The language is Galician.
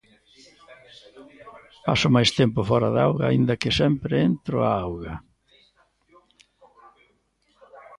Paso máis tempo fóra da auga aínda que sempre entro á auga.